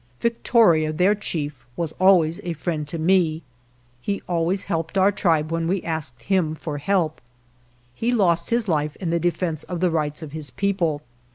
Victoria, their chief, was always a friend to me. He always helped our tribe when we asked him for help. He lost his life in the defense of the rights of his people.